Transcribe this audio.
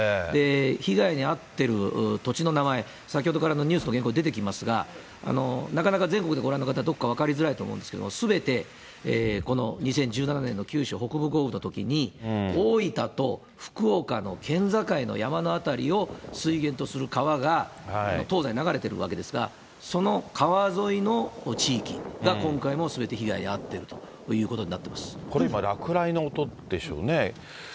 被害に遭ってる土地の名前、先ほどからニュースの原稿出てきますが、なかなか全国でご覧の方、どこか分かりづらいと思うんですけれども、すべてこの２０１７年の九州北部豪雨のときに、大分と福岡の県境の山の辺りを水源とする川が東西流れているわけですが、その川沿いの地域が今回もすべて被害に遭っているということになこれ今、落雷の音でしょうね。